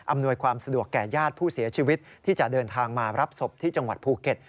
อำนวยความสะดวกแก่ญาติผู้เสียชีวิตที่จะเดินทางมารับศพที่จังหวัดภูเก็ต